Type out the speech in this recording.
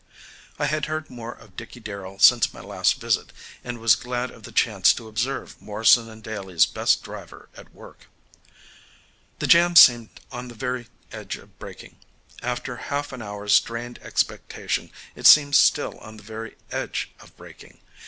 I had heard more of Dickey Darrell since my last visit, and was glad of the chance to observe Morrison & Daly's best "driver" at work. The jam seemed on the very edge of breaking. After half an hour's strained expectation it seemed still on the very edge of breaking.